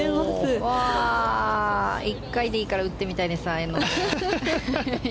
１回でいいから打ってみたいです、ああいうの。